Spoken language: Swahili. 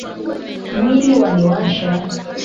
Mwili waniwasha